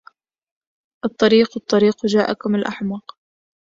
الطريق الطريق جاءكم الأحمق